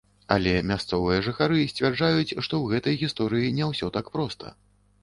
Але мясцовыя жыхары сцвярджаюць, што ў гэтай гісторыі не ўсё так проста.